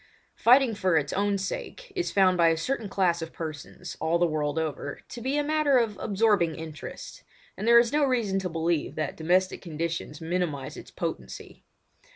Fighting for its own sake is found by a certain class of persons, all the world over, to be a matter of absorbing interest, and there is no reason to believe that domestic conditions minimise its potency.